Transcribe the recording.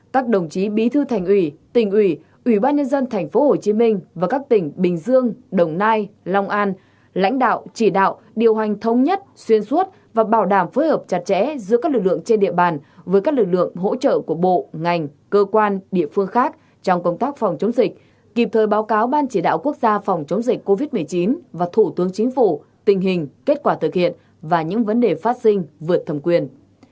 bảy các đồng chí bí thư thành ủy tỉnh ủy ủy ban nhân dân tp hcm và các tỉnh bình dương đồng nai long an lãnh đạo chỉ đạo điều hành thông nhất xuyên suốt và bảo đảm phối hợp chặt chẽ giữa các lực lượng trên địa bàn với các lực lượng hỗ trợ của bộ ngành cơ quan địa phương khác trong công tác phòng chống dịch kịp thời báo cáo ban chỉ đạo quốc gia phòng chống dịch covid một mươi chín và thủ tướng chính phủ tình hình kết quả thực hiện và những vấn đề phát sinh vượt thầm quyền